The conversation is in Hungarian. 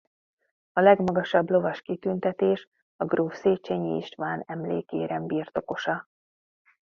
A legmagasabb lovas kitüntetés a gróf Széchényi István Emlékérem birtokosa.